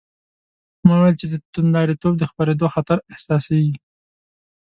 ما وویل چې د توندلاریتوب د خپرېدو خطر احساسېږي.